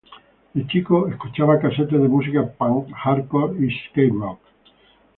De chico, escuchaba casetes de música punk, hardcore y skate rock.